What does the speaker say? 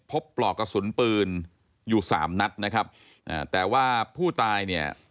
ปลอกกระสุนปืนอยู่สามนัดนะครับอ่าแต่ว่าผู้ตายเนี่ย